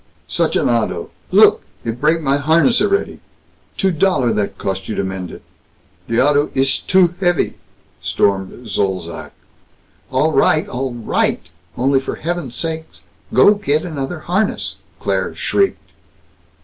Such an auto! Look, it break my harness a'ready! Two dollar that cost you to mend it. De auto iss too heavy!" stormed Zolzac. "All right! All right! Only for heaven's sake go get another harness!" Claire shrieked.